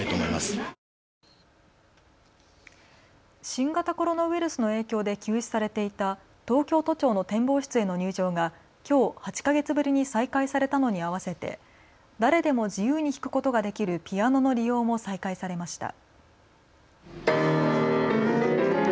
新型コロナウイルスの影響で休止されていた東京都庁の展望室への入場がきょう８か月ぶりに再開されたのに合わせて誰でも自由に弾くことができるピアノの利用も再開されました。